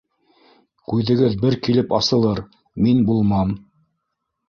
Күҙегеҙ бер килеп асылыр - мин булмам.